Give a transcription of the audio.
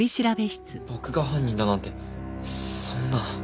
僕が犯人だなんてそんな。